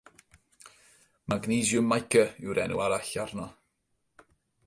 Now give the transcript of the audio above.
Magnesiwm mica yw'r enw arall arno.